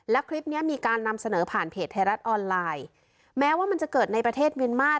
และคลิปนี้มีการนำเสนอผ่านเพจไทยรัฐออนไลน์แม้ว่ามันจะเกิดในประเทศเมียนมาส